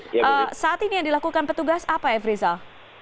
dan yang dilakukan petugas apa afrizal